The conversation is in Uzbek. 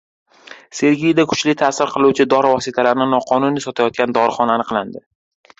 Sergelida kuchli ta’sir qiluvchi dori vositalarini noqonuniy sotayotgan dorixona aniqlandi